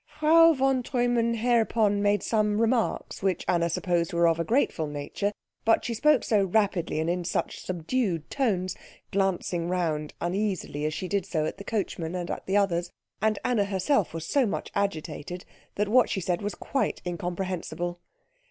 Frau von Treumann hereupon made some remarks which Anna supposed were of a grateful nature, but she spoke so rapidly and in such subdued tones, glancing round uneasily as she did so at the coachman and at the others, and Anna herself was so much agitated, that what she said was quite incomprehensible.